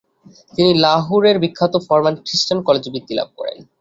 তিনি লাহোর এর বিখ্যাত ফরম্যান খৃস্টান কলেজে বৃত্তি লাভ করেন।